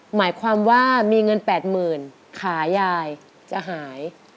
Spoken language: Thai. หมายความว่ามีเงิน๘๐๐๐ขายายจะหาย